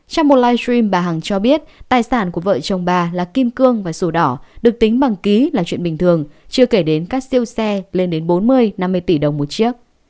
trong một live stream bà hằng cho biết tài sản của vợ chồng bà là kim cương và sổ đỏ được tính bằng ký là chuyện bình thường chưa kể đến các siêu xe lên đến bốn mươi năm mươi tỷ đồng một chiếc